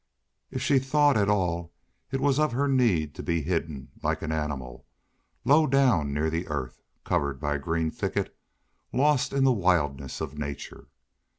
If she thought at all it was of her need to be hidden, like an animal, low down near the earth, covered by green thicket, lost in the wildness of nature.